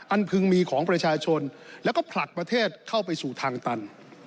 พึงมีของประชาชนแล้วก็ผลักประเทศเข้าไปสู่ทางตัน